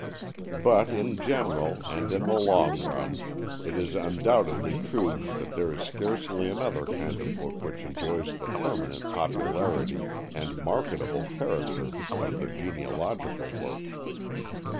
But in general, and in the long run, it is undoubtedly true that there is scarcely another kind of book which enjoys the permanent popularity and marketable character of the genealogical work.